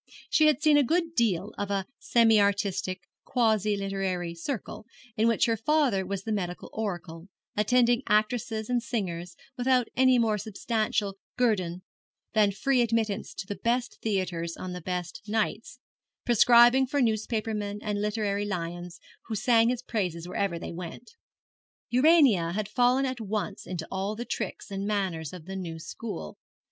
She had seen a good deal of a semi artistic, quasi literary circle, in which her father was the medical oracle, attending actresses and singers without any more substantial guerdon than free admittance to the best theatres on the best nights; prescribing for newspaper men and literary lions, who sang his praises wherever they went. Urania had fallen at once into all the tricks and manners of the new school.